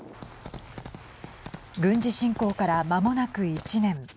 軍事侵攻から、まもなく１年。